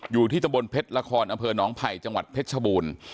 อยู่ที่ตะบนเพชรละครอำเภอหนองไผ่จังหวัดเพชรชบูรณ์